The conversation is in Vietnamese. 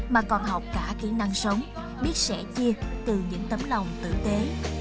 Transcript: mà còn học cả kỹ năng sống biết sẻ chia từ những tấm lòng tử tế